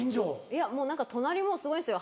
いやもう何か隣すごいんですよ